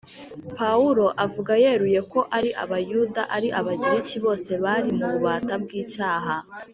Pawulo avuga yeruye ko ari Abayuda ari Abagiriki bose bari mu bubata bw'icyaha,